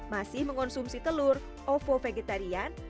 masih mengonsumsi telur ovo vegetarian